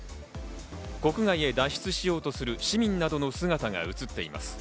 国外へ脱出しようとする市民などの姿が映っています。